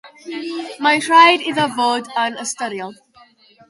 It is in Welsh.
Mae'n rhaid iddo fod yn ystyriol.